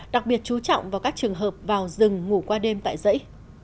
đặc biệt chú trọng vào các trường hợp vào rừng ngủ qua đêm tại dãy